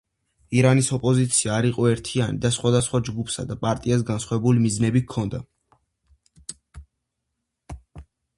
ირანის ოპოზიცია არ იყო ერთიანი და სხვადასხვა ჯგუფსა თუ პარტიას განსხვავებული მიზნები ჰქონდათ